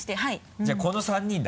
じゃあこの３人だ。